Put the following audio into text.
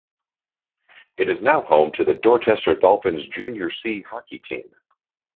It is now home to the Dorchester Dolphins Junior C hockey team.